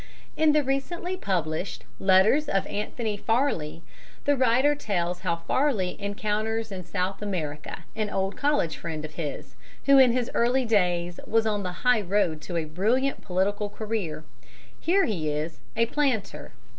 In the recently published Letters of Anthony Farley the writer tells how Farley encounters in South America an old college friend of his, who in his early days was on the high road to a brilliant political career. Here he is, a planter.